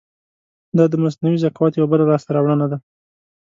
دا د مصنوعي ذکاوت یو بله لاسته راوړنه ده.